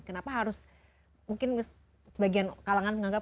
kenapa harus mungkin sebagian kalangan menganggap